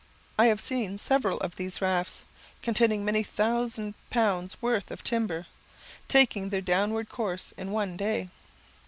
I have seen several of these rafts, containing many thousand pounds worth of timber, taking their downward course in one day.